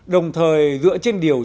đồng thời dựa trên điều chín mươi một